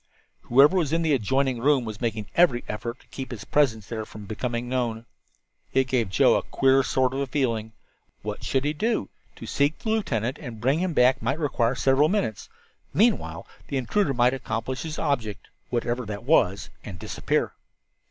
Whoever was in the adjoining room was making every effort to keep his presence there from becoming known! It gave Joe a queer sort of feeling. What should he do? To seek the lieutenant and bring him back might require several minutes. Meanwhile the intruder might accomplish his object whatever it was and disappear.